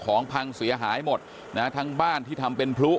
พังเสียหายหมดนะฮะทั้งบ้านที่ทำเป็นพลุ